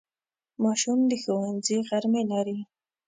ماشوم د ښوونځي غرمې لري.